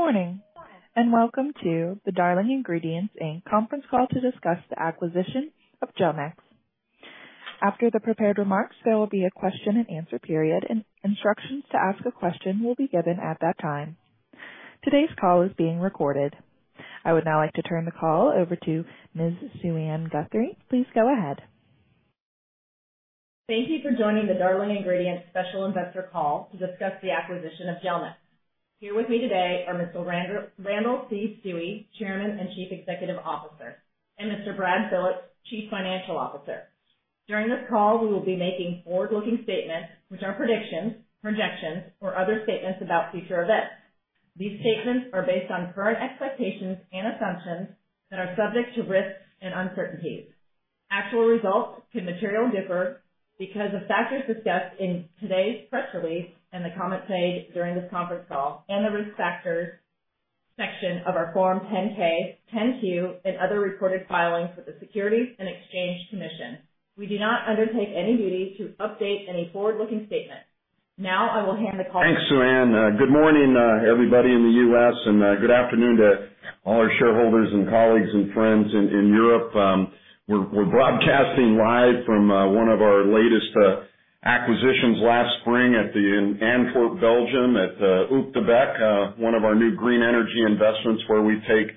Good morning, and welcome to the Darling Ingredients Inc. conference call to discuss the acquisition of Gelnex. After the prepared remarks, there will be a question-and-answer period. Instructions to ask a question will be given at that time. Today's call is being recorded. I would now like to turn the call over to Ms. Suann Guthrie. Please go ahead. Thank you for joining the Darling Ingredients special investor call to discuss the acquisition of Gelnex. Here with me today are Mr. Randall C. Stuewe, Chairman and Chief Executive Officer, and Mr. Brad Phillips, Chief Financial Officer. During this call, we will be making forward-looking statements which are predictions, projections or other statements about future events. These statements are based on current expectations and assumptions that are subject to risks and uncertainties. Actual results can materially differ because of factors discussed in today's press release and the comments made during this conference call and the risk factors section of our Form 10-K, Form 10-Q and other reported filings with the Securities and Exchange Commission. We do not undertake any duty to update any forward-looking statement. Now I will hand the call to. Thanks, Suann. Good morning, everybody in the U.S. and good afternoon to all our shareholders and colleagues and friends in Europe. We're broadcasting live from one of our latest acquisitions last spring in Antwerp, Belgium at Ecoson, one of our new green energy investments where we take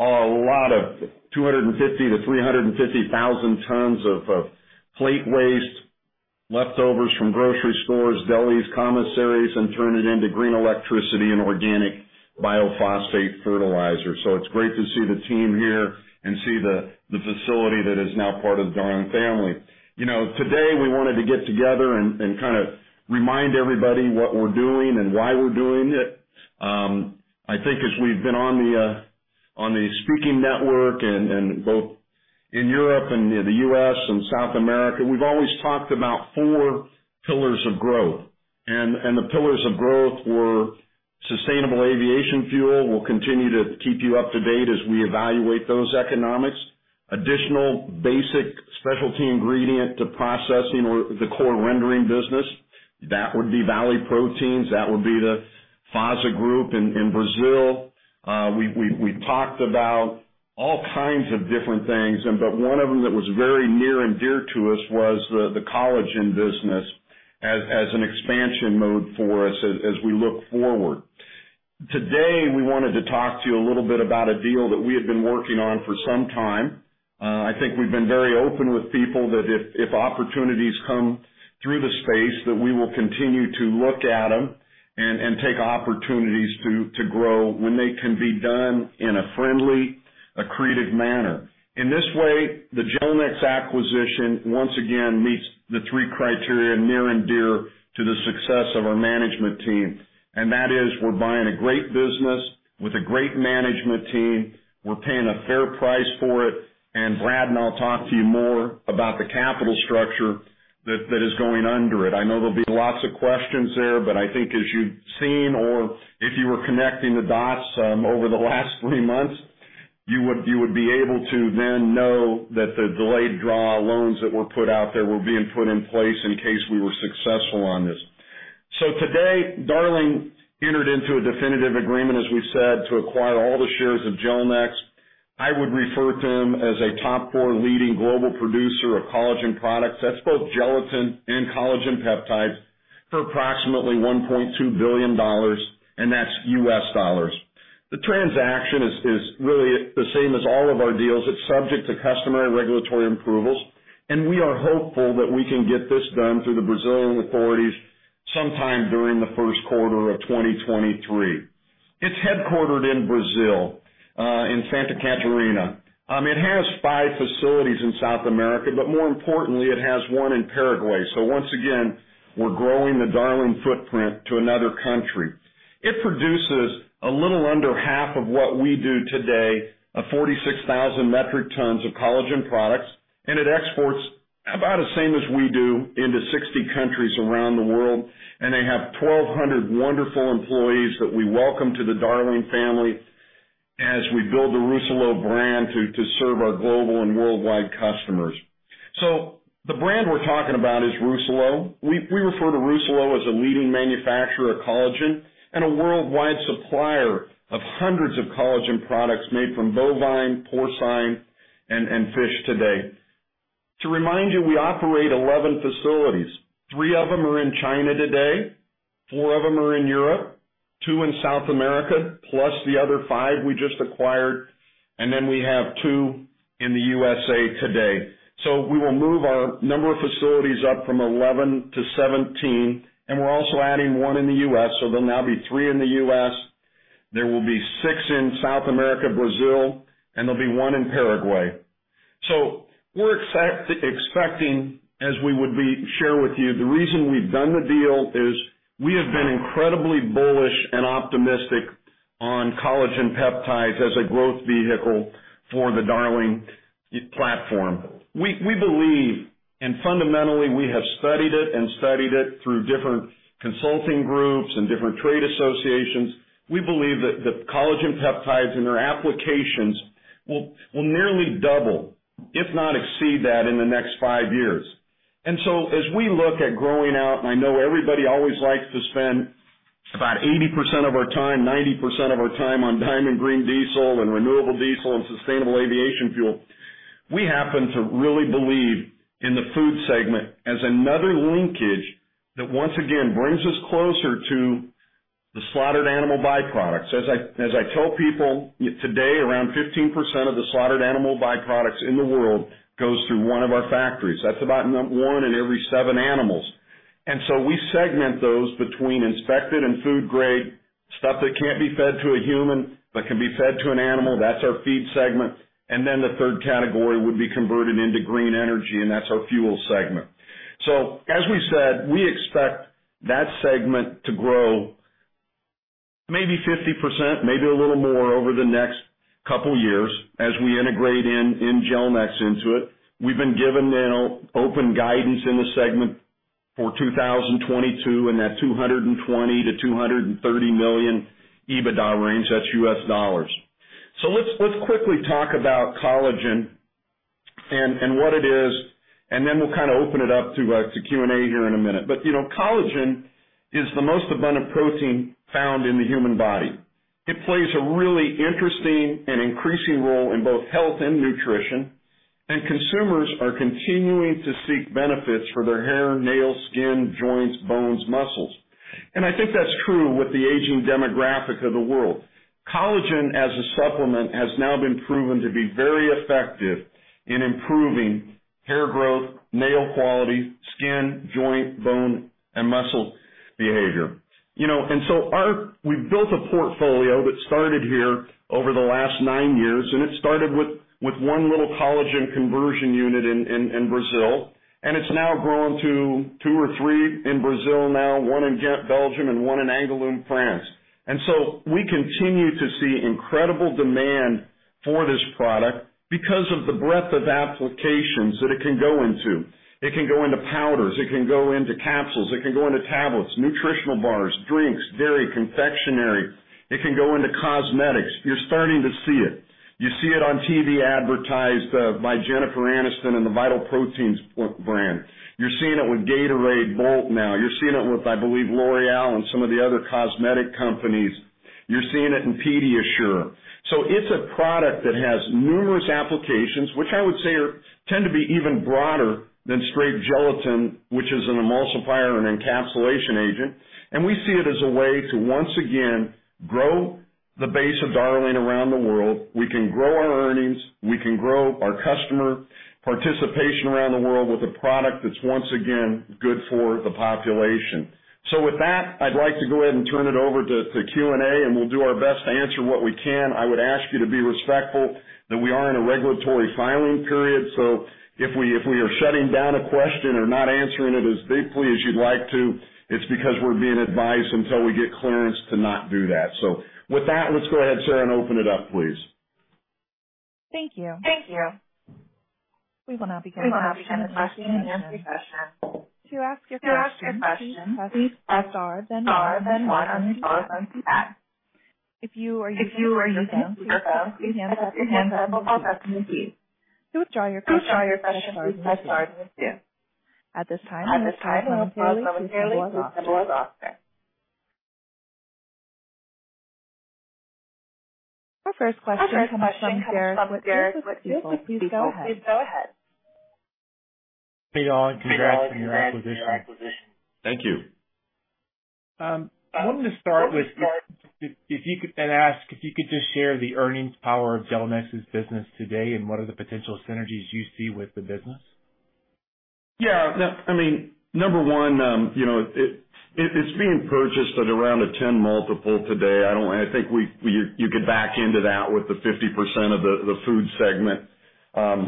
a lot of 250,000-350,000 tons of plate waste, leftovers from grocery stores, delis, commissaries, and turn it into green electricity and organic biophosphate fertilizer. It's great to see the team here and see the facility that is now part of the Darling family. You know, today we wanted to get together and kinda remind everybody what we're doing and why we're doing it. I think as we've been on the speaking network and both in Europe and the U.S. and South America, we've always talked about four pillars of growth. The pillars of growth were sustainable aviation fuel. We'll continue to keep you up to date as we evaluate those economics. Additional basic specialty ingredient to processing or the core rendering business. That would be Valley Proteins, that would be the FASA Group in Brazil. We talked about all kinds of different things but one of them that was very near and dear to us was the collagen business as an expansion mode for us as we look forward. Today we wanted to talk to you a little bit about a deal that we have been working on for some time. I think we've been very open with people that if opportunities come through the space, that we will continue to look at them and take opportunities to grow when they can be done in a friendly, accretive manner. In this way, the Gelnex acquisition once again meets the three criteria near and dear to the success of our management team. That is we're buying a great business with a great management team. We're paying a fair price for it. Brad and I'll talk to you more about the capital structure that is going under it. I know there'll be lots of questions there, but I think as you've seen or if you were connecting the dots, over the last three months, you would be able to then know that the delayed draw loans that were put out there were being put in place in case we were successful on this. Today, Darling entered into a definitive agreement, as we said, to acquire all the shares of Gelnex. I would refer to them as a top four leading global producer of collagen products. That's both gelatin and collagen peptides for approximately $1.2 billion, and that's U.S. dollars. The transaction is really the same as all of our deals. It's subject to customary regulatory approvals, and we are hopeful that we can get this done through the Brazilian authorities sometime during the first quarter of 2023. It's headquartered in Brazil in Santa Catarina. It has five facilities in South America, but more importantly it has one in Paraguay. Once again, we're growing the Darling footprint to another country. It produces a little under half of what we do today, of 46,000 metric tons of collagen products, and it exports about the same as we do into 60 countries around the world. They have 1,200 wonderful employees that we welcome to the Darling family as we build the Rousselot brand to serve our global and worldwide customers. The brand we're talking about is Rousselot. We refer to Rousselot as a leading manufacturer of collagen and a worldwide supplier of hundreds of collagen products made from bovine, porcine and fish today. To remind you, we operate 11 facilities. Three of them are in China today, four of them are in Europe, two in South America, plus the other five we just acquired, and then we have two in the U.S. today. We will move our number of facilities up from 11-17 and we're also adding one in the U.S. There'll now be three in the U.S., there will be six in South America, Brazil, and there'll be one in Paraguay. We're expecting, as we would be sure to share with you, the reason we've done the deal is we have been incredibly bullish and optimistic on collagen peptides as a growth vehicle for the Darling platform. We believe and fundamentally we have studied it through different consulting groups and different trade associations. We believe that the collagen peptides and their applications will nearly double if not exceed that in the next five years. We look at growing out, and I know everybody always likes to spend about 80% of our time, 90% of our time on Diamond Green Diesel and renewable diesel and sustainable aviation fuel. We happen to really believe in the food segment as another linkage that once again brings us closer to the slaughtered animal byproducts. As I tell people, today, around 15% of the slaughtered animal byproducts in the world goes through one of our factories. That's about one in every seven animals. We segment those between inspected and food grade, stuff that can't be fed to a human, but can be fed to an animal. That's our feed segment. The third category would be converted into green energy, and that's our fuel segment. As we said, we expect that segment to grow maybe 50%, maybe a little more over the next couple years as we integrate in Gelnex into it. We've been given now open guidance in the segment for 2022, and that $220 million-$230 million EBITDA range. That's US dollars. Let's quickly talk about collagen and what it is, and then we'll kinda open it up to Q&A here in a minute. You know, collagen is the most abundant protein found in the human body. It plays a really interesting and increasing role in both health and nutrition, and consumers are continuing to seek benefits for their hair, nails, skin, joints, bones, muscles. I think that's true with the aging demographic of the world. Collagen as a supplement has now been proven to be very effective in improving hair growth, nail quality, skin, joint, bone, and muscle behavior. You know, we've built a portfolio that started here over the last nine years, and it started with one little collagen conversion unit in Brazil. It's now grown to two or three in Brazil now, one in Ghent, Belgium, and one in Angoulême, France. We continue to see incredible demand for this product because of the breadth of applications that it can go into. It can go into powders, it can go into capsules, it can go into tablets, nutritional bars, drinks, dairy, confectionery. It can go into cosmetics. You're starting to see it. You see it on TV advertised by Jennifer Aniston in the Vital Proteins brand. You're seeing it with Gatorade BOLT24 now. You're seeing it with, I believe, L'Oréal and some of the other cosmetic companies. You're seeing it in PediaSure. It's a product that has numerous applications, which I would say tend to be even broader than straight gelatin, which is an emulsifier and encapsulation agent. We see it as a way to once again grow the base of Darling around the world. We can grow our earnings, we can grow our customer participation around the world with a product that's once again good for the population. With that, I'd like to go ahead and turn it over to Q&A, and we'll do our best to answer what we can. I would ask you to be respectful that we are in a regulatory filing period, so if we are shutting down a question or not answering it as deeply as you'd like to, it's because we're being advised until we get clearance to not do that. With that, let's go ahead, Sarah, and open it up, please. Thank you. We will now begin the question and answer session. To ask your question, please press star then one on your telephone keypad. If you are using a computer, please press star one on your keyboard. To withdraw your question, please press star then two. At this time, I'm going to turn the call over to Our first question comes from Derek. Our first question comes from Derek with BofA. Please go ahead. Hey, y'all. Congrats on your acquisition. Thank you. I wanted to start and ask if you could just share the earnings power of Gelnex's business today and what are the potential synergies you see with the business? Yeah, no, I mean, number one, you know, it's being purchased at around a 10 multiple today. I think you could back into that with the 50% of the food segment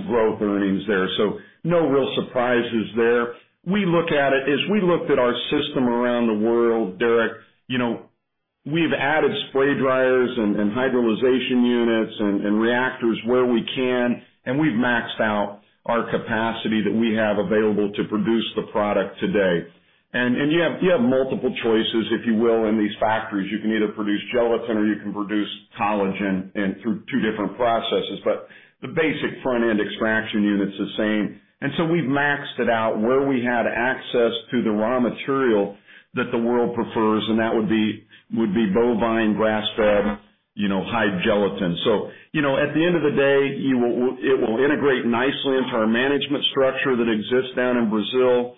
growth earnings there. No real surprises there. We look at it as we looked at our system around the world, Derek. You know, we've added spray dryers and hydrolysis units and reactors where we can, and we've maxed out our capacity that we have available to produce the product today. You have multiple choices, if you will, in these factories. You can either produce gelatin or you can produce collagen through two different processes. The basic front-end extraction unit's the same. We've maxed it out where we had access to the raw material that the world prefers, and that would be bovine grass-fed, you know, high gelatin. You know, at the end of the day, it will integrate nicely into our management structure that exists down in Brazil.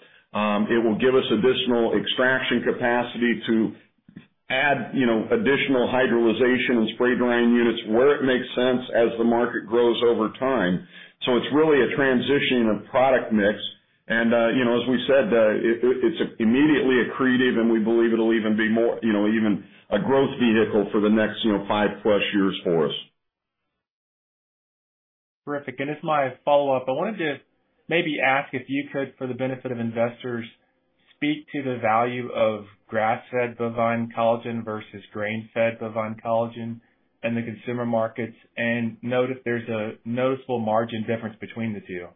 It will give us additional extraction capacity to add, you know, additional hydrolysis and spray drying units where it makes sense as the market grows over time. It's really a transition in product mix. You know, as we said, it's immediately accretive, and we believe it'll even be more, you know, even a growth vehicle for the next, you know, five-plus years for us. As my follow-up, I wanted to maybe ask if you could, for the benefit of investors, speak to the value of grass-fed bovine collagen versus grain-fed bovine collagen in the consumer markets and note if there's a noticeable margin difference between the two.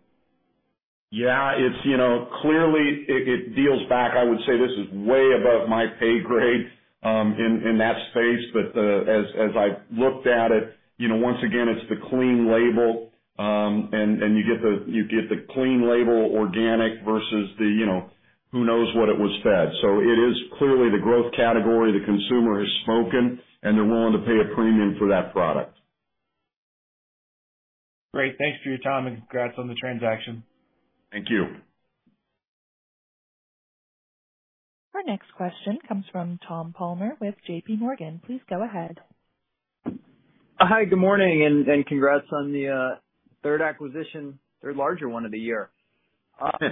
Yeah, it's you know clearly it deals back. I would say this is way above my pay grade in that space. As I've looked at it, you know, once again, it's the clean label, and you get the clean label organic versus the you know who knows what it was fed. It is clearly the growth category. The consumer has spoken, and they're willing to pay a premium for that product. Great. Thanks for your time, and congrats on the transaction. Thank you. Our next question comes from Tom Palmer with J.P. Morgan. Please go ahead. Hi. Good morning, and congrats on the third acquisition, third largest one of the year. Yeah.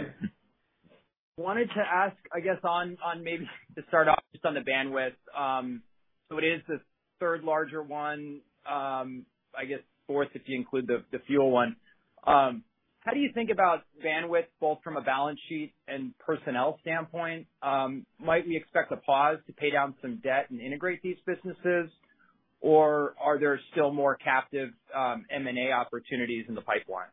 Wanted to ask, I guess on maybe to start off just on the bandwidth. It is the third largest one, I guess fourth, if you include the fuel one. How do you think about bandwidth both from a balance sheet and personnel standpoint? Might we expect a pause to pay down some debt and integrate these businesses, or are there still more active M&A opportunities in the pipeline?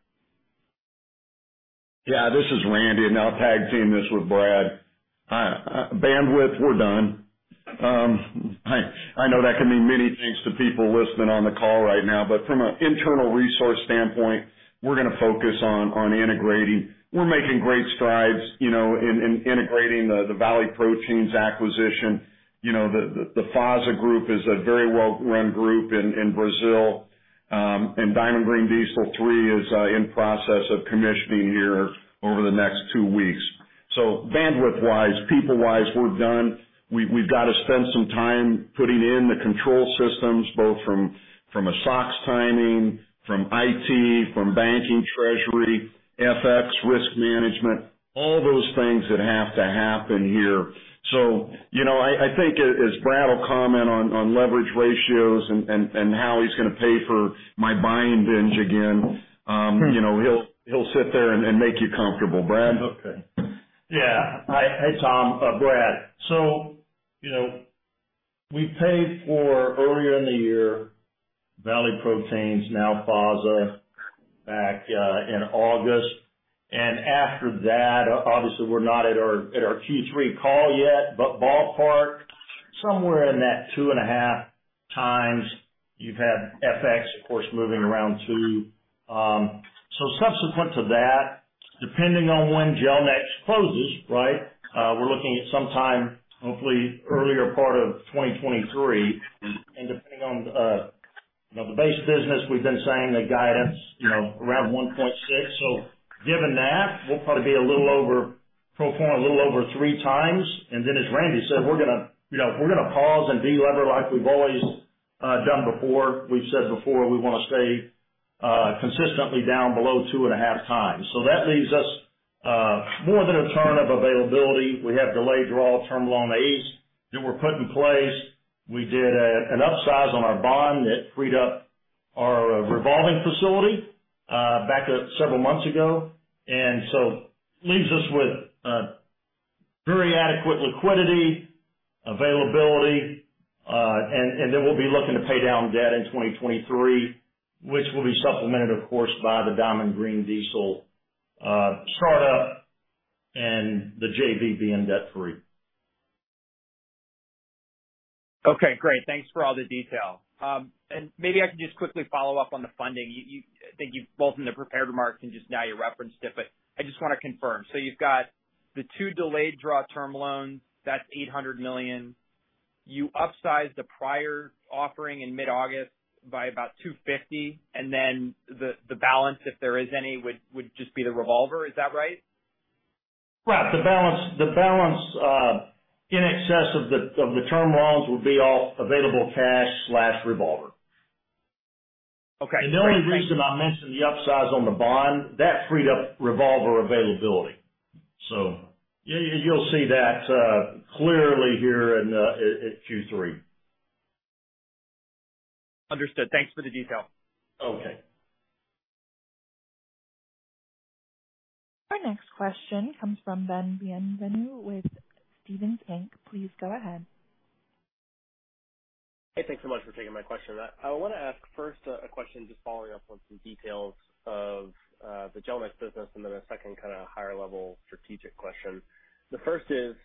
Yeah, this is Randy, and I'll tag team this with Brad. Bandwidth, we're done. I know that can mean many things to people listening on the call right now, but from an internal resource standpoint, we're gonna focus on integrating. We're making great strides, you know, in integrating the Valley Proteins acquisition. You know, the FASA Group is a very well-run group in Brazil. Diamond Green Diesel Three is in process of commissioning here over the next two weeks. Bandwidth-wise, people-wise, we're done. We've got to spend some time putting in the control systems both from a SOX timing, from IT, from banking treasury, FX risk management, all those things that have to happen here. You know, I think as Brad will comment on leverage ratios and how he's gonna pay for my buying binge again, you know, he'll sit there and make you comfortable. Brad? Okay. Yeah. Hi. Hey, Tom. Brad. You know, we paid for Valley Proteins earlier in the year, now FASA back in August. After that, obviously we're not at our Q3 call yet, but ballpark somewhere in that 2.5x. You've had FX, of course, moving around too. Subsequent to that, depending on when Gelnex closes, right? We're looking at some time, hopefully earlier part of 2023. Depending on, you know, the base business, we've been saying the guidance, you know, around 1.6. Given that, we'll probably be a little over pro forma, a little over 3x. Then as Randy said, we're gonna, you know, pause and delever like we've always done before. We've said before, we wanna stay consistently down below 2.5x. That leaves us more than a ton of availability. We have delayed draw term loan A's that were put in place. We did an upsize on our bond that freed up our revolving facility back several months ago. Leaves us with very adequate liquidity availability. Then we'll be looking to pay down debt in 2023, which will be supplemented, of course, by the Diamond Green Diesel startup and the JV being debt-free. Okay, great. Thanks for all the detail. Maybe I can just quickly follow up on the funding. I think you've both in the prepared remarks and just now you referenced it, but I just wanna confirm. You've got the two delayed draw term loans, that's $800 million. You upsized the prior offering in mid-August by about $250, and then the balance, if there is any, would just be the revolver. Is that right? Right. The balance in excess of the term loans would be all available cash/revolver. Okay. The only reason I mentioned the upsize on the bond, that freed up revolver availability. You'll see that clearly here in at Q3. Understood. Thanks for the detail. Okay. Our next question comes from Ben Bienvenu with Stephens Inc. Please go ahead. Hey, thanks so much for taking my question. I wanna ask first a question just following up on some details of the Gelnex business and then a second kinda higher level strategic question. The first is,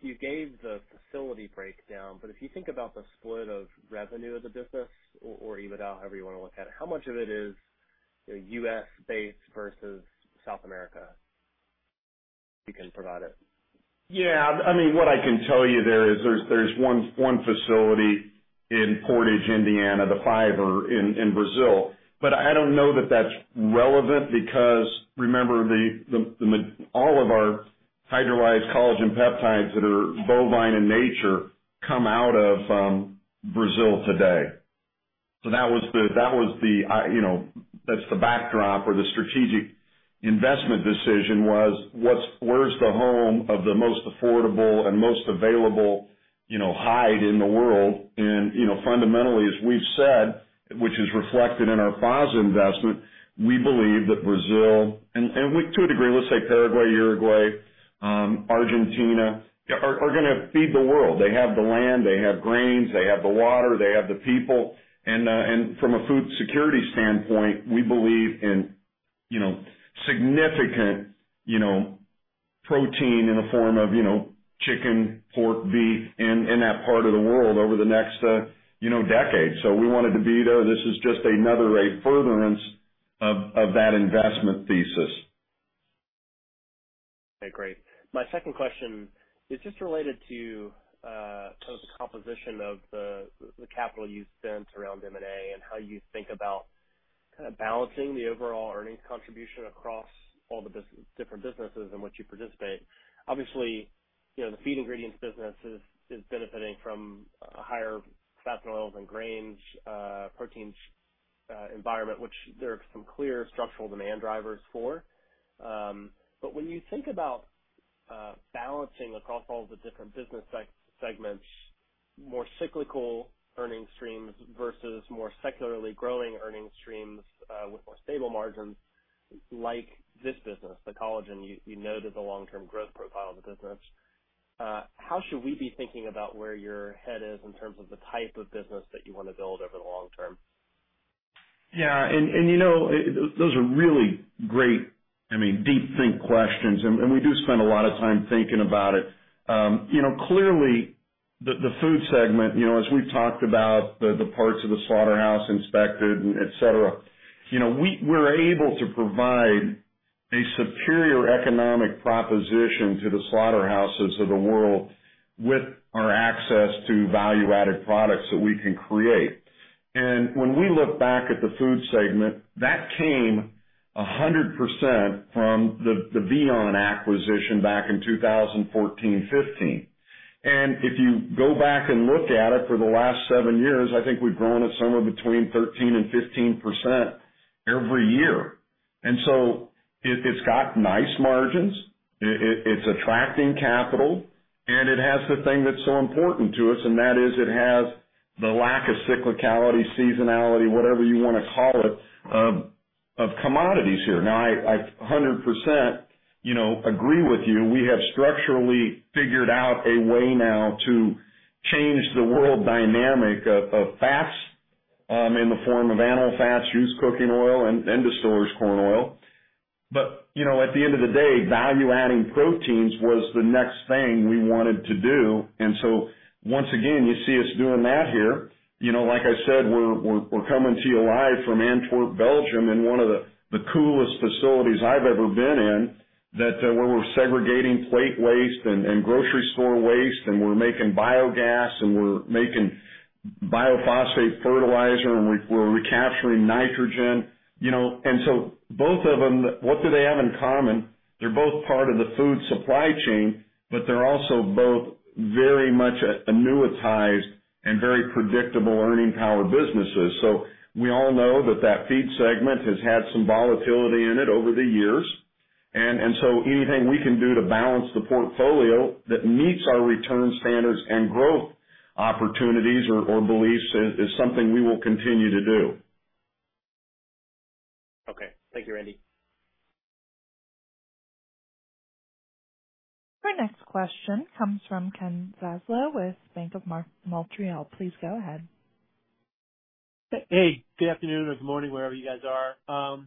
you gave the facility breakdown, but if you think about the split of revenue of the business or even however you wanna look at it, how much of it is, you know, U.S.-based versus South America, if you can provide it? Yeah. I mean, what I can tell you there is there's one facility in Portage, Indiana, the facility in Brazil. But I don't know that that's relevant because remember all of our hydrolyzed collagen peptides that are bovine in nature come out of Brazil today. That was the backdrop or the strategic investment decision was where's the home of the most affordable and most available, you know, hide in the world? Fundamentally, as we've said, which is reflected in our FASA investment, we believe that Brazil and, with to a degree, let's say Paraguay, Uruguay, Argentina, are gonna feed the world. They have the land, they have grains, they have the water, they have the people. From a food security standpoint, we believe in significant protein in the form of chicken, pork, beef in that part of the world over the next decade. We wanted to be there. This is just another furtherance of that investment thesis. Okay, great. My second question is just related to, sort of the composition of the capital you spent around M&A and how you think about kind of balancing the overall earnings contribution across all the different businesses in which you participate. Obviously, you know, the feed ingredients business is benefiting from higher fat and oils and grains, proteins, environment, which there are some clear structural demand drivers for. But when you think about balancing across all the different business segments, more cyclical earning streams versus more secularly growing earning streams, with more stable margins like this business, the collagen, you know, that the long-term growth profile of the business. How should we be thinking about where your head is in terms of the type of business that you wanna build over the long term? Yeah, those are really great, I mean, deep think questions, and we do spend a lot of time thinking about it. You know, clearly the food segment, you know, as we've talked about the parts of the slaughterhouse inspected, et cetera, you know, we're able to provide a superior economic proposition to the slaughterhouses of the world with our access to value-added products that we can create. When we look back at the food segment, that came 100% from the Vion acquisition back in 2014-15. If you go back and look at it for the last seven years, I think we've grown it somewhere between 13%-15% every year. It's got nice margins. It's attracting capital, and it has the thing that's so important to us, and that is it has the lack of cyclicality, seasonality, whatever you wanna call it, of commodities here. Now I 100%, you know, agree with you. We have structurally figured out a way now to change the world dynamic of fats in the form of animal fats, used cooking oil and distillers corn oil. You know, at the end of the day, value-adding proteins was the next thing we wanted to do. Once again, you see us doing that here. You know, like I said, we're coming to you live from Antwerp, Belgium, in one of the coolest facilities I've ever been in, where we're segregating plate waste and grocery store waste, and we're making biogas, and we're making biophosphate fertilizer, and we're recapturing nitrogen, you know. Both of them, what do they have in common? They're both part of the food supply chain, but they're also both very much annuitized and very predictable earning power businesses. We all know that feed segment has had some volatility in it over the years. Anything we can do to balance the portfolio that meets our return standards and growth opportunities or beliefs is something we will continue to do. Okay. Thank you, Randy. Our next question comes from Ken Zaslow with BMO Capital Markets. Please go ahead. Hey, good afternoon or good morning, wherever you guys are.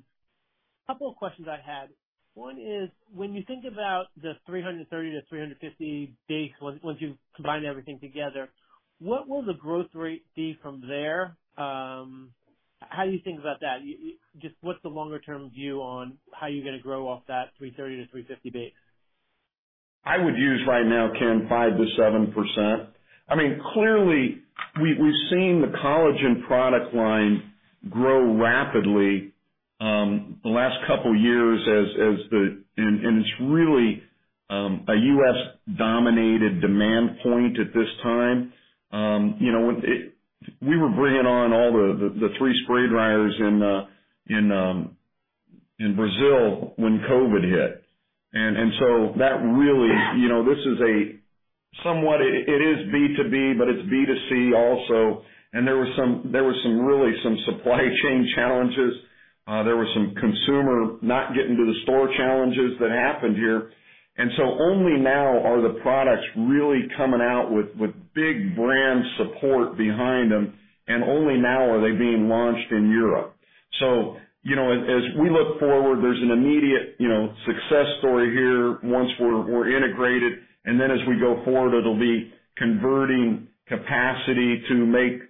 Couple of questions I had. One is, when you think about the 330-350 base, once you've combined everything together, what will the growth rate be from there? How do you think about that? Just what's the longer term view on how you're gonna grow off that 330-350 base? I would use right now, Ken, 5%-7%. I mean, clearly, we've seen the collagen product line grow rapidly the last couple years as the. It's really a U.S. dominated demand point at this time. You know, it—we were bringing on all the three spray dryers in Brazil when COVID hit. That really, you know, this is somewhat B2B, but it's B2C also. There was some really supply chain challenges. There was some consumer not getting to the store challenges that happened here. Only now are the products really coming out with big brand support behind them, and only now are they being launched in Europe. You know, as we look forward, there's an immediate, you know, success story here once we're integrated. As we go forward, it'll be converting capacity to make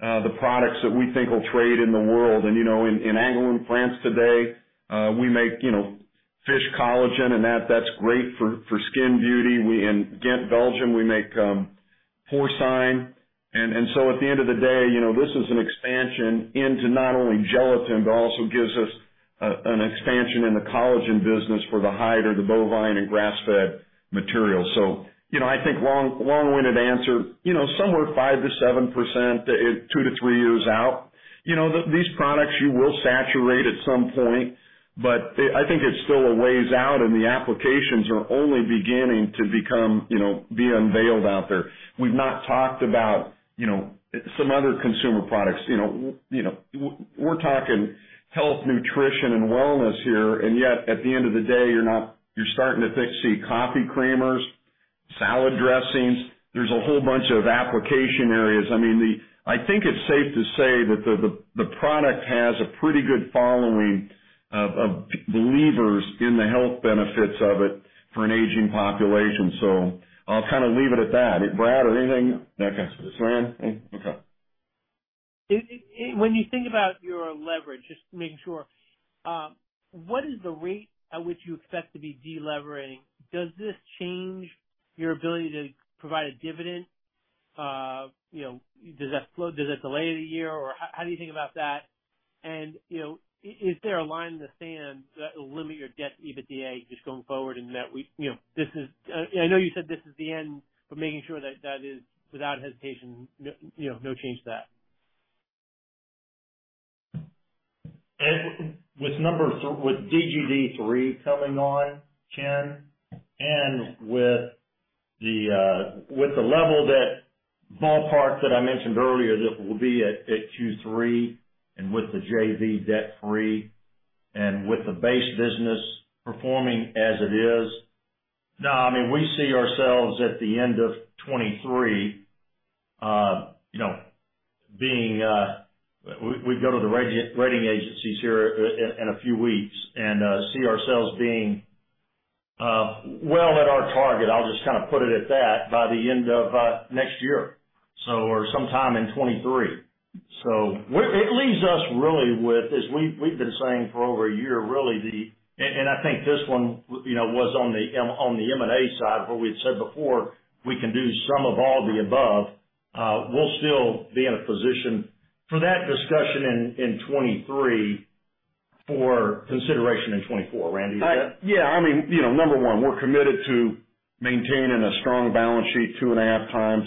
the products that we think will trade in the world. You know, in Angoulême plants today, we make, you know, fish collagen, and that's great for skin beauty. In Ghent, Belgium, we make porcine. At the end of the day, you know, this is an expansion into not only gelatin, but also gives us an expansion in the collagen business for the hide or the bovine and grass-fed material. You know, I think long-winded answer, you know, somewhere 5%-7%, 2-3 years out. You know, these products you will saturate at some point, but they—I think it's still a ways out, and the applications are only beginning to become, you know, be unveiled out there. We've not talked about, you know, some other consumer products. You know, you know, we're talking health, nutrition, and wellness here, and yet, at the end of the day, you're starting to see coffee creamers. Salad dressings. There's a whole bunch of application areas. I mean, I think it's safe to say that the product has a pretty good following of believers in the health benefits of it for an aging population. So I'll kind of leave it at that. Brad or anything? No, I got you. Rand? Okay. When you think about your leverage, just making sure, what is the rate at which you expect to be de-levering? Does this change your ability to provide a dividend? You know, does that flow, does that delay the year or how are you thinking about that? You know, is there a line in the sand that will limit your debt to EBITDA just going forward and that we, you know, I know you said this is the end, but making sure that that is without hesitation, you know, no change to that. With DGD 3 coming on, Ken, and with the level that ballpark that I mentioned earlier, that we'll be at Q3 and with the JV debt-free and with the base business performing as it is. No, I mean, we see ourselves at the end of 2023, you know, being, we go to the rating agencies here in a few weeks and see ourselves being well at our target. I'll just kind of put it at that by the end of next year, or sometime in 2023. It leaves us really with, as we've been saying for over a year, really the I think this one, you know, was on the M&A side where we had said before, we can do some of all the above. We'll still be in a position for that discussion in 2023 for consideration in 2024. Randy, is that? Yeah. I mean, you know, number one, we're committed to maintaining a strong balance sheet 2.5x.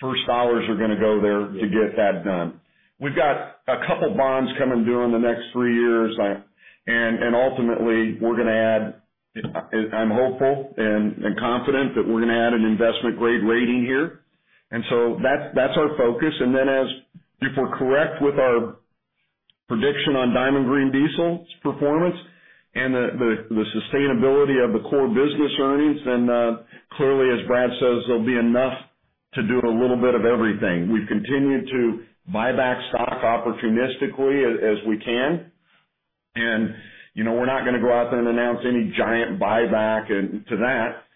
First dollars are gonna go there to get that done. We've got a couple bonds coming due in the next three years. Ultimately, we're gonna add. I'm hopeful and confident that we're gonna add an investment grade rating here. That's our focus. Then as if we're correct with our prediction on Diamond Green Diesel's performance and the sustainability of the core business earnings, then, clearly, as Brad says, there'll be enough to do a little bit of everything. We've continued to buy back stock opportunistically as we can. You know, we're not gonna go out there and announce any giant buyback and to that,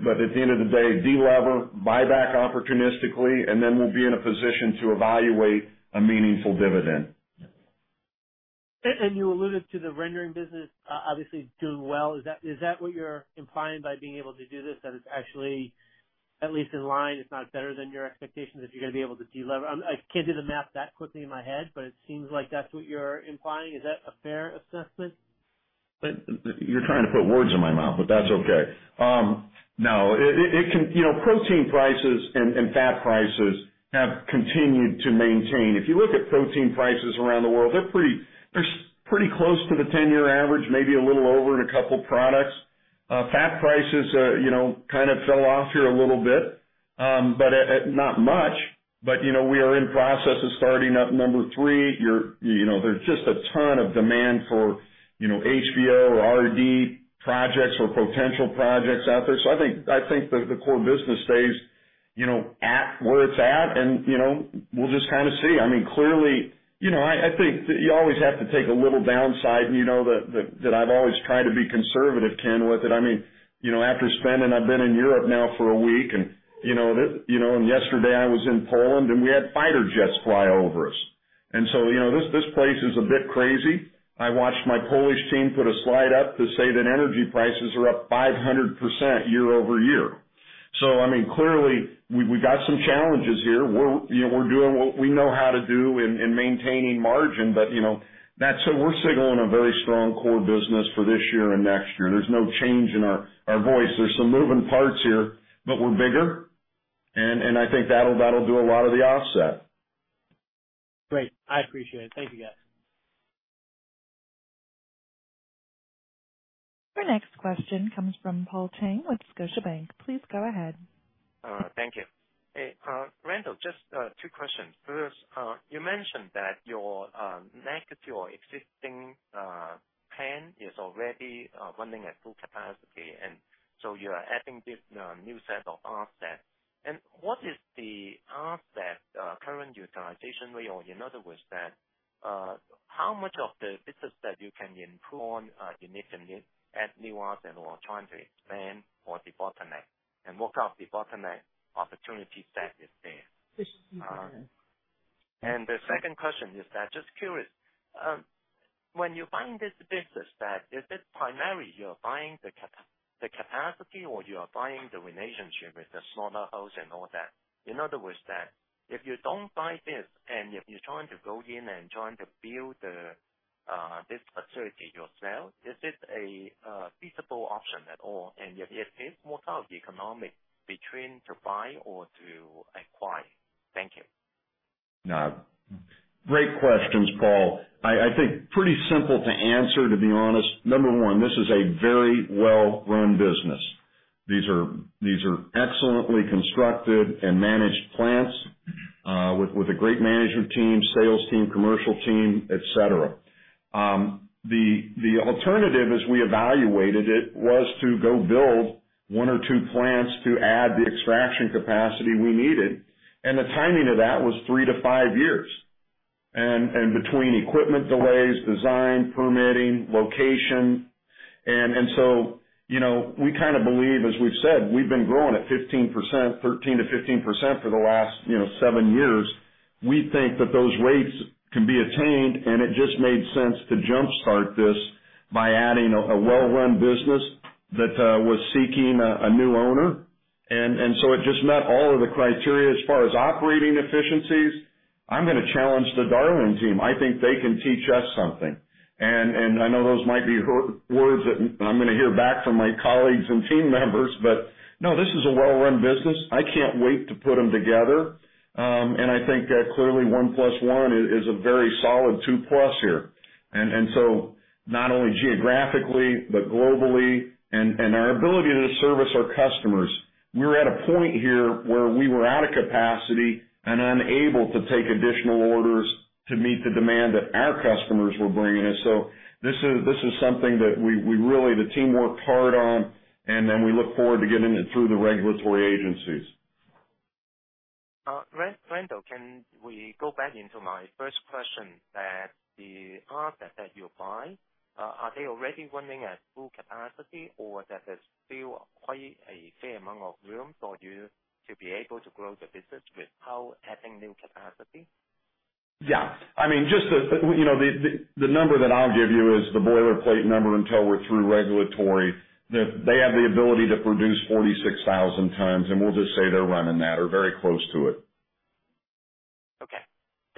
but at the end of the day, de-lever, buy back opportunistically, and then we'll be in a position to evaluate a meaningful dividend. You alluded to the rendering business, obviously doing well. Is that what you're implying by being able to do this? That it's actually at least in line, if not better than your expectations, if you're gonna be able to de-lever? I can't do the math that quickly in my head, but it seems like that's what you're implying. Is that a fair assessment? You're trying to put words in my mouth, but that's okay. You know, protein prices and fat prices have continued to maintain. If you look at protein prices around the world, they're pretty close to the 10-year average, maybe a little over in a couple products. Fat prices, you know, kinda fell off here a little bit, but not much. You know, we are in process of starting up number three. You know, there's just a ton of demand for, you know, HVO or RD projects or potential projects out there. I think the core business stays, you know, at where it's at. You know, we'll just kinda see. I mean, clearly, you know, I think you always have to take a little downside. You know that I've always tried to be conservative, Ken, with it. I mean, you know, after spending, I've been in Europe now for a week and, you know, it, you know, and yesterday I was in Poland, and we had fighter jets fly over us. You know, this place is a bit crazy. I watched my Polish team put a slide up to say that energy prices are up 500% year-over-year. I mean, clearly, we've got some challenges here. You know, we're doing what we know how to do in maintaining margin. You know, that's where we're signaling a very strong core business for this year and next year. There's no change in our voice. There's some moving parts here, but we're bigger, and I think that'll do a lot of the offset. Great. I appreciate it. Thank you, guys. Our next question comes from Paul Cheng with Scotiabank. Please go ahead. Thank you. Hey, Randall, just two questions. First, you mentioned that your existing plant is already running at full capacity, and you are adding this new set of assets. What is the assets current utilization rate? Or in other words, how much of the business that you can improve on, you need to add new ones and/or trying to expand or bottleneck? What are bottleneck opportunities that are there? The second question is, just curious, when you're buying this business, is it primarily the capacity or you are buying the relationship with the slaughterhouse and all that. In other words that if you don't buy this and if you're trying to go in and trying to build this facility yourself, is it a feasible option at all? If it is, what are the economics between to buy or to acquire? Thank you. No. Great questions, Paul. I think pretty simple to answer, to be honest. Number one, this is a very well-run business. These are excellently constructed and managed plants, with a great management team, sales team, commercial team, et cetera. The alternative as we evaluated it was to go build one or two plants to add the extraction capacity we needed. The timing of that was 3-5 years, between equipment delays, design, permitting, location. So, you know, we kinda believe, as we've said, we've been growing at 15%—13%-15% for the last, you know, seven years. We think that those rates can be attained, and it just made sense to jumpstart this by adding a well-run business that was seeking a new owner. It just met all of the criteria. As far as operating efficiencies, I'm gonna challenge the Darling team. I think they can teach us something. I know those might be hard words that I'm gonna hear back from my colleagues and team members. No, this is a well-run business. I can't wait to put them together. I think that clearly one plus one is a very solid two plus here. Not only geographically but globally and our ability to service our customers. We're at a point here where we were out of capacity and unable to take additional orders to meet the demand that our customers were bringing us. This is something that we really, the team worked hard on, and then we look forward to getting it through the regulatory agencies. Randall, can we go back into my first question that the asset that you buy, are they already running at full capacity or that there's still quite a fair amount of room for you to be able to grow the business without adding new capacity? Yeah. I mean, just to, you know, the number that I'll give you is the boilerplate number until we're through regulatory. They have the ability to produce 46,000 tons, and we'll just say they're running that or very close to it.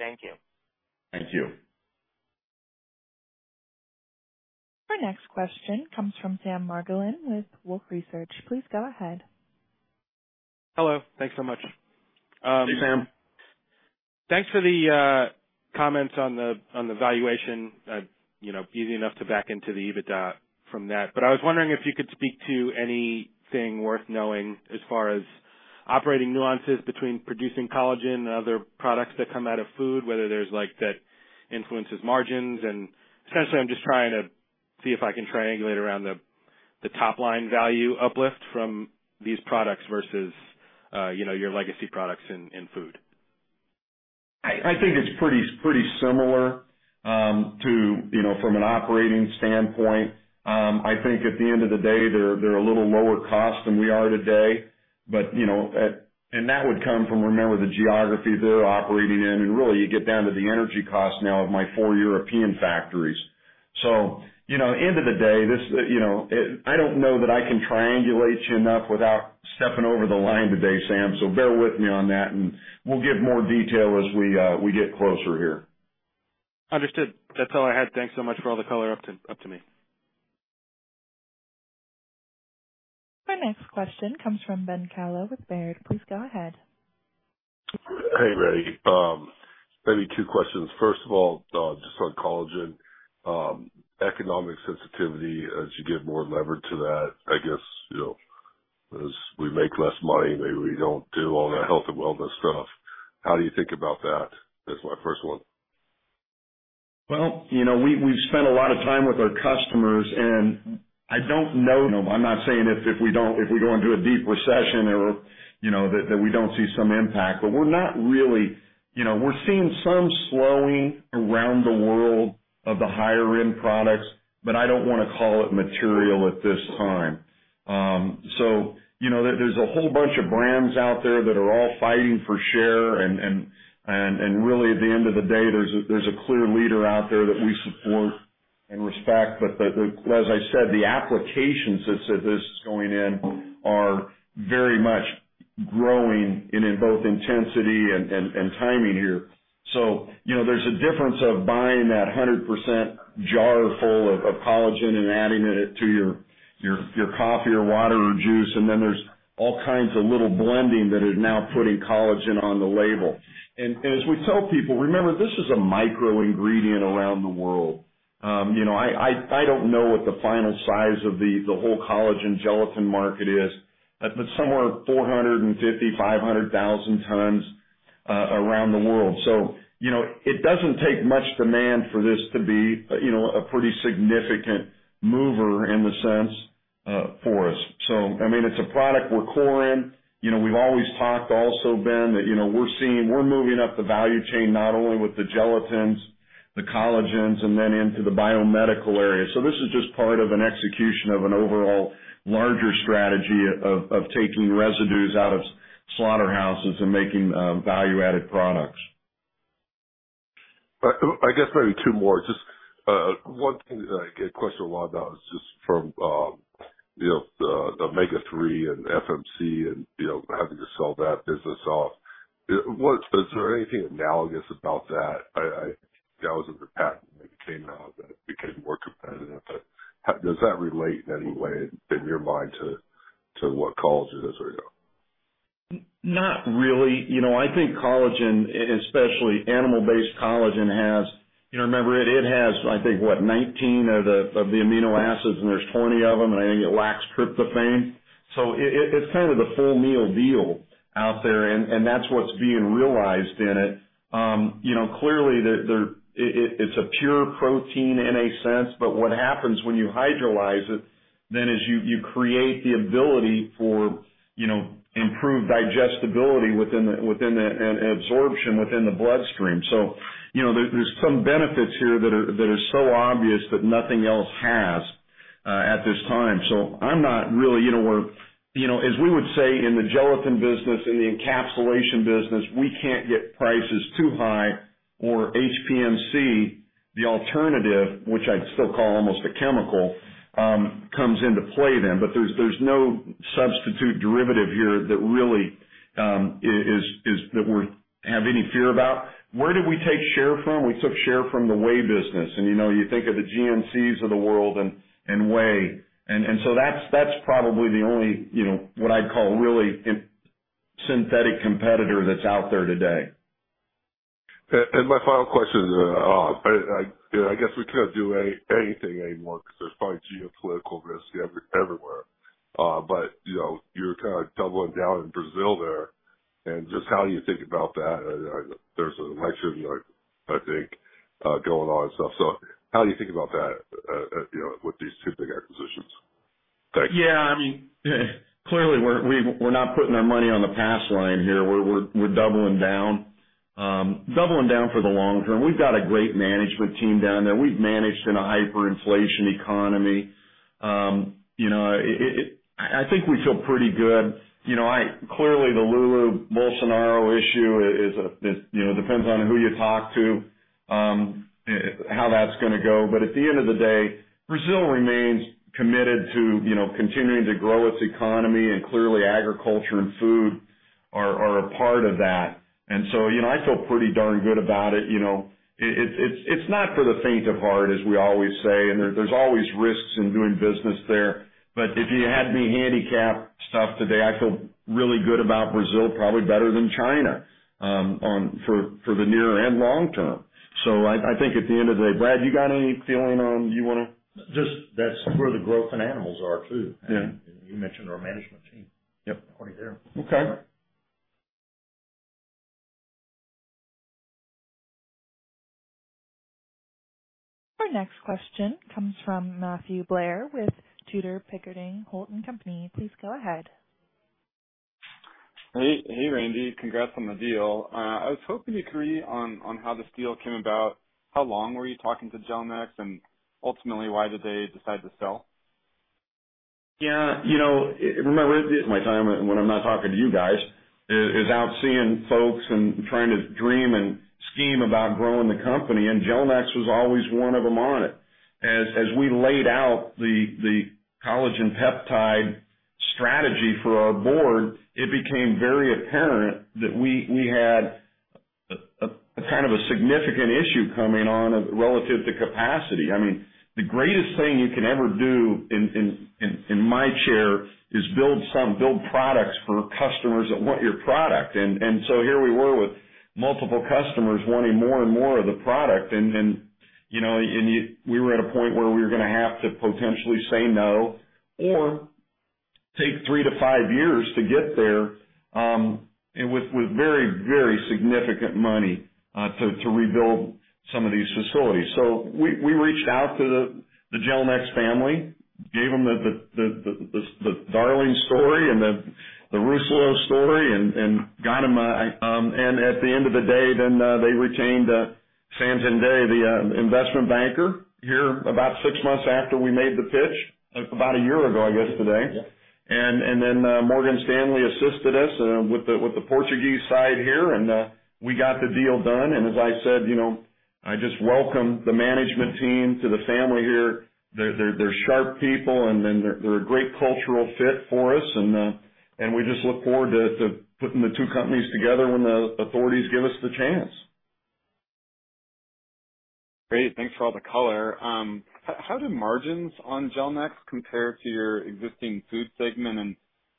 Okay. Thank you. Thank you. Our next question comes from Sam Margolin with Wolfe Research. Please go ahead. Hello. Thanks so much. Hey, Sam. Thanks for the comments on the valuation. You know, easy enough to back into the EBITDA from that. I was wondering if you could speak to anything worth knowing as far as operating nuances between producing collagen and other products that come out of food, whether there's like that influences margins. Essentially, I'm just trying to see if I can triangulate around the top line value uplift from these products versus, you know, your legacy products in food. I think it's pretty similar, you know, from an operating standpoint. I think at the end of the day, they're a little lower cost than we are today. That would come from, remember, the geography they're operating in. Really you get down to the energy cost now of my four European factories. You know, end of the day, I don't know that I can triangulate you enough without stepping over the line today, Sam, so bear with me on that, and we'll give more detail as we get closer here. Understood. That's all I had. Thanks so much for all the color up to me. Our next question comes from Benjamin Kallo with Baird. Please go ahead. Hey, Randy. Maybe two questions. First of all, just on collagen, economic sensitivity as you get more levered to that, I guess, you know, as we make less money, maybe we don't do all that health and wellness stuff. How do you think about that? That's my first one. Well, you know, we've spent a lot of time with our customers, and I don't know. I'm not saying if we go into a deep recession or, you know, that we don't see some impact. We're not really. You know, we're seeing some slowing around the world of the higher-end products, but I don't wanna call it material at this time. You know, there's a whole bunch of brands out there that are all fighting for share and really at the end of the day, there's a clear leader out there that we support and respect. The, as I said, the applications that this is going in are very much growing and in both intensity and timing here. You know, there's a difference of buying that 100% jar full of collagen and adding it to your coffee or water or juice. As we tell people, remember, this is a micro ingredient around the world. You know, I don't know what the final size of the whole collagen gelatin market is, but somewhere 450,000-500,000 tons around the world. You know, it doesn't take much demand for this to be a pretty significant mover in a sense for us. I mean, it's a product we're core in. You know, we've always talked also, Ben, that, you know, we're moving up the value chain, not only with the gelatins, the collagens and then into the biomedical area. This is just part of an execution of an overall larger strategy of taking residues out of slaughterhouses and making value-added products. I guess maybe two more. Just one thing I get questioned a lot about is just from you know the omega-3 and FMC and you know having to sell that business off. Is there anything analogous about that? That was under Pat when it came out that it became more competitive. Does that relate in any way in your mind to what collagen does right now? Not really. You know, I think collagen, especially animal-based collagen, has. You know, remember it has, I think, what, 19 of the amino acids, and there's 20 of them, and I think it lacks tryptophan. It's kind of the full meal deal out there, and that's what's being realized in it. You know, clearly there. It's a pure protein in a sense, but what happens when you hydrolyze it then is you create the ability for, you know, improved digestibility within the and absorption within the bloodstream. You know, there's some benefits here that are so obvious that nothing else has at this time. I'm not really, you know, we're, you know, as we would say in the gelatin business, in the encapsulation business, we can't get prices too high or HPMC, the alternative, which I'd still call almost a chemical, comes into play then. But there's no substitute derivative here that really is that we have any fear about. Where did we take share from? We took share from the whey business. You know, you think of the Glanbia of the world and whey. That's probably the only, you know, what I'd call really synthetic competitor that's out there today. My final question, I guess we couldn't do anything anymore because there's probably geopolitical risk everywhere. You know, you're kind of doubling down in Brazil there. Just how do you think about that? There's an election, I think, going on and stuff. How do you think about that, you know, with these two big acquisitions? Thanks. Yeah, I mean, clearly, we're not putting our money on the pass line here. We're doubling down for the long term. We've got a great management team down there. We've managed in a hyperinflation economy. You know, I think we feel pretty good. You know, clearly, the Lula Bolsonaro issue is, you know, depends on who you talk to, how that's gonna go. But at the end of the day, Brazil remains committed to, you know, continuing to grow its economy, and clearly, agriculture and food are a part of that. So, you know, I feel pretty darn good about it, you know. It's not for the faint of heart, as we always say, and there's always risks in doing business there. If you had me handicap stuff today, I feel really good about Brazil, probably better than China, for the near and long term. I think at the end of the day, Brad, you got any feeling on you wanna? Just, that's where the growth in animals are too. Yeah. You mentioned our management team. Yep. Party there. Okay. Our next question comes from Matthew Blair with Tudor, Pickering, Holt & Co. Please go ahead. Hey. Hey, Randy. Congrats on the deal. I was hoping to agree on how this deal came about. How long were you talking to Gelnex, and ultimately, why did they decide to sell? Yeah, you know, remember, my time when I'm not talking to you guys is out seeing folks and trying to dream and scheme about growing the company, and Gelnex was always one of them on it. As we laid out the collagen peptide strategy for our board, it became very apparent that we had a kind of a significant issue coming on relative to capacity. I mean, the greatest thing you can ever do in my chair is build products for customers that want your product. Here we were with multiple customers wanting more and more of the product. You know, we were at a point where we were gonna have to potentially say no or take 3-5 years to get there, with very significant money to rebuild some of these facilities. We reached out to the Gelnex family, gave them the Darling story and the Rousselot story and got them, and at the end of the day, they retained Santander, the investment banker here about six months after we made the pitch, about a year ago, I guess, today. Yeah. Morgan Stanley assisted us with the Portuguese side here, and we got the deal done. As I said, you know, I just welcome the management team to the family here. They're sharp people, and they're a great cultural fit for us. We just look forward to putting the two companies together when the authorities give us the chance. Great. Thanks for all the color. How do margins on Gelnex compare to your existing food segment?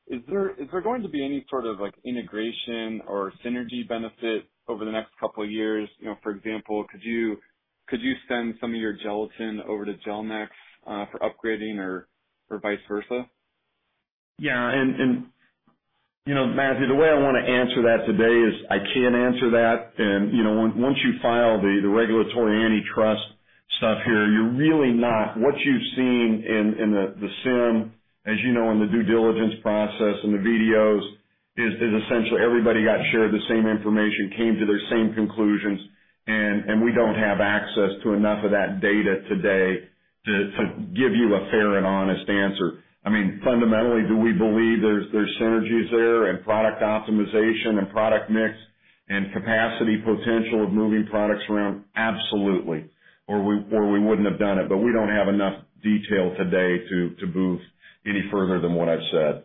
Is there going to be any sort of, like, integration or synergy benefit over the next couple of years? You know, for example, could you send some of your gelatin over to Gelnex for upgrading or vice versa? Yeah. You know, Matthew, the way I wanna answer that today is I can't answer that. You know, once you file the regulatory antitrust stuff here, you're really not. What you've seen in the CIM, as you know, in the due diligence process and the VDRs is essentially everybody got the same information, came to their same conclusions, and we don't have access to enough of that data today to give you a fair and honest answer. I mean, fundamentally, do we believe there's synergies there and product optimization and product mix and capacity potential of moving products around? Absolutely. Otherwise we wouldn't have done it. We don't have enough detail today to move any further than what I've said.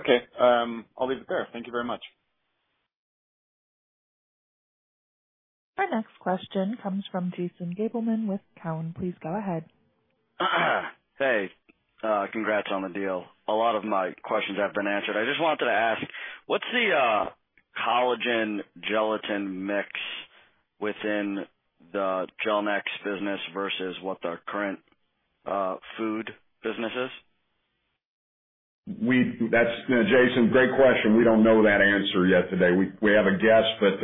Okay. I'll leave it there. Thank you very much. Our next question comes from Jason Gabelman with Cowen. Please go ahead. Hey, congrats on the deal. A lot of my questions have been answered. I just wanted to ask, what's the collagen gelatin mix? Within the Gelnex business versus what the current food business is? That's Jason, great question. We don't know that answer yet today. We have a guess, but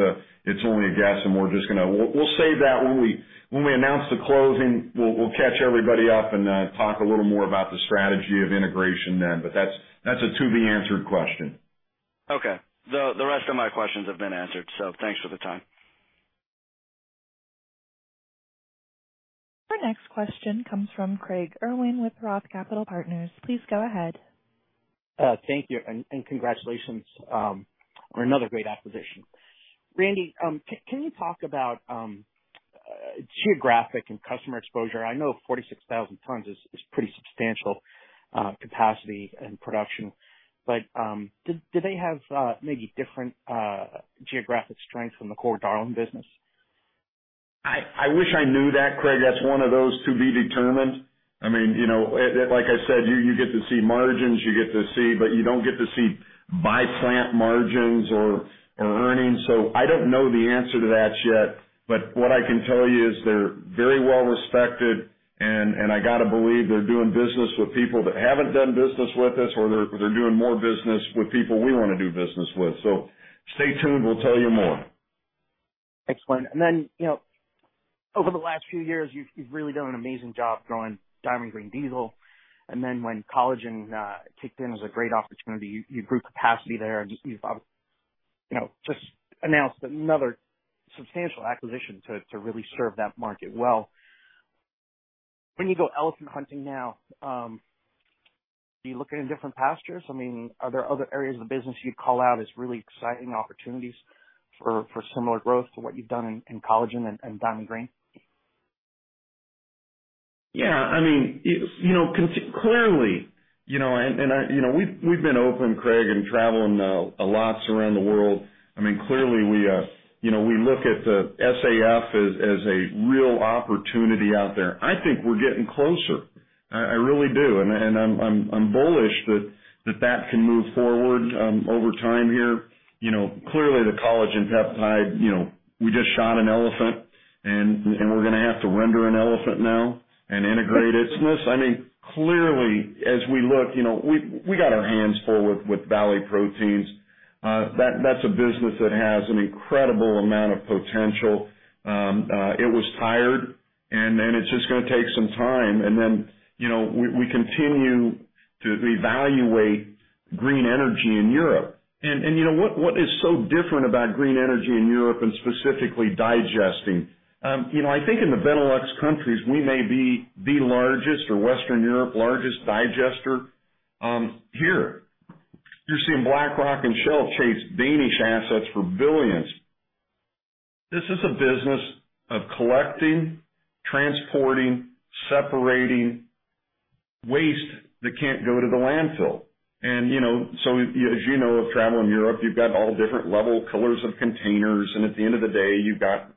it's only a guess, and we'll save that when we announce the closing. We'll catch everybody up and talk a little more about the strategy of integration then, but that's a to be answered question. Okay. The rest of my questions have been answered, so thanks for the time. Our next question comes from Craig Irwin with Roth Capital Partners. Please go ahead. Thank you and congratulations on another great acquisition. Randy, can you talk about geographic and customer exposure? I know 46,000 tons is pretty substantial capacity and production. Did they have maybe different geographic strength from the core Darling business? I wish I knew that, Craig. That's one of those to be determined. I mean, you know, like I said, you get to see margins, you get to see, but you don't get to see by plant margins or earnings. I don't know the answer to that yet. What I can tell you is they're very well respected, and I gotta believe they're doing business with people that haven't done business with us or they're doing more business with people we wanna do business with. Stay tuned. We'll tell you more. Excellent. Over the last few years, you've really done an amazing job growing Diamond Green Diesel. When collagen kicked in as a great opportunity, you grew capacity there, and you've you know, just announced another substantial acquisition to really serve that market well. When you go elephant hunting now, are you looking in different pastures? I mean, are there other areas of the business you'd call out as really exciting opportunities for similar growth to what you've done in collagen and Diamond Green? Yeah. I mean, it's you know, clearly you know, and I you know, we've been open, Craig, and traveling a lot around the world. I mean, clearly we you know, we look at the SAF as a real opportunity out there. I think we're getting closer. I really do. I'm bullish that that can move forward over time here. You know, clearly the collagen peptide you know, we just shot an elephant and we're gonna have to render an elephant now and integrate it. So this I mean, clearly, as we look you know, we've. We got our hands full with Valley Proteins. That's a business that has an incredible amount of potential. It was tired and then it's just gonna take some time. Then, you know, we continue to evaluate green energy in Europe. You know what is so different about green energy in Europe and specifically digesting? You know, I think in the Benelux countries, we may be the largest or Western Europe largest digester. Here you're seeing BlackRock and Shell chase Danish assets for billions. This is a business of collecting, transporting, separating waste that can't go to the landfill. You know, as you know if travel in Europe, you've got all different level colors of containers, and at the end of the day, you've got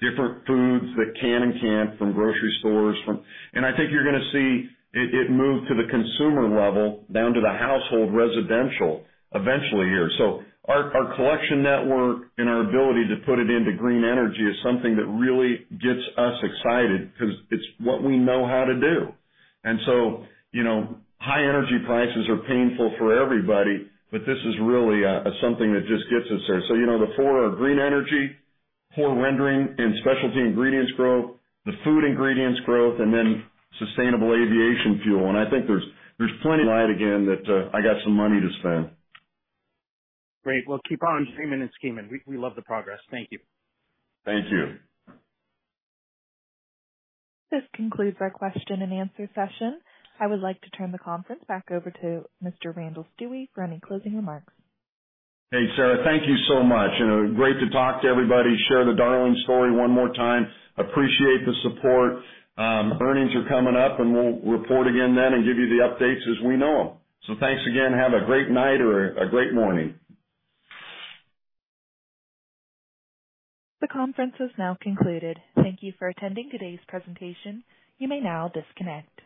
different foods that can and can't from grocery stores, from. I think you're gonna see it move to the consumer level, down to the household residential eventually here. Our collection network and our ability to put it into green energy is something that really gets us excited 'cause it's what we know how to do. You know, high energy prices are painful for everybody, but this is really something that just gets us there. You know, the four are green energy, core rendering and specialty ingredients growth, the food ingredients growth, and then sustainable aviation fuel. I think there's plenty in that again that I got some money to spend. Great. Well, keep on dreaming and scheming. We love the progress. Thank you. Thank you. This concludes our question and answer session. I would like to turn the conference back over to Mr. Randall Stuewe for any closing remarks. Hey, Sarah. Thank you so much. You know, great to talk to everybody, share the Darling story one more time. Appreciate the support. Earnings are coming up, and we'll report again then and give you the updates as we know them. Thanks again. Have a great night or a great morning. The conference has now concluded. Thank you for attending today's presentation. You may now disconnect.